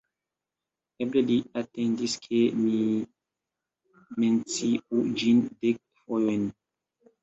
Eble li atendis, ke mi menciu ĝin dek fojojn.